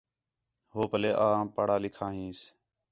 ہُو پلّے آں پڑھا لِکھا ہینس